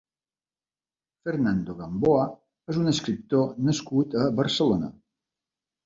Fernando Gamboa és un escriptor nascut a Barcelona.